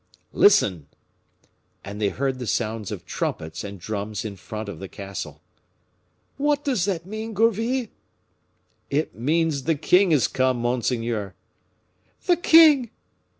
"Listen!" And they heard the sounds of trumpets and drums in front of the castle. "What does that mean, Gourville?" "It means the king is come, monseigneur." "The king!"